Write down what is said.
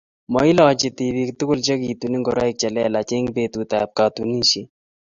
mailochi tibik tugul chekituni ngoroik che lelach eng' betutab katunisiet.